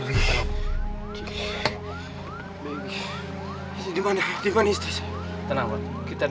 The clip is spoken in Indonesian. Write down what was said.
kalian bilang kalian gak tau